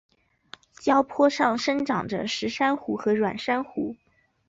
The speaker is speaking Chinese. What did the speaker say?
礁坡上生长着石珊瑚和软珊瑚。